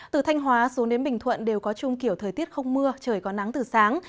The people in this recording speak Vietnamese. từ thanh hóa xuống đến bình thuận đều có chung kiểu thời tiết không mưa trời có nắng từ sáng